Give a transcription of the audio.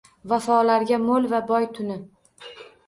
Vafolarga mo’l va boy tuni.